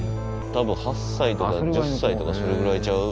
多分８歳とか１０歳とかそれぐらいちゃう？